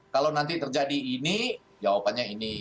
kalau nanti terjadi ini jawabannya ini